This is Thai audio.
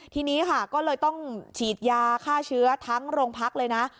ทีนี้ค่ะก็เลยต้องฉีดยาฆ่าเชื้อทั้งโรงพักเลยนะ